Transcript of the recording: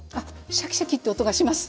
シャキシャキッて音がします！